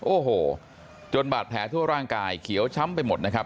โอ้โหจนบาดแผลทั่วร่างกายเขียวช้ำไปหมดนะครับ